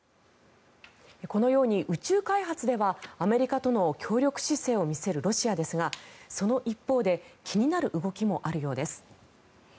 このように宇宙開発ではアメリカとの協力姿勢を見せるロシアですがその一方で気になる動きもあるようです。